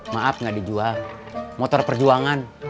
maaf nggak dijual motor perjuangan